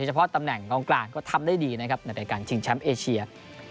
เฉพาะตำแหน่งกองกลางก็ทำได้ดีนะครับในรายการชิงแชมป์เอเชีย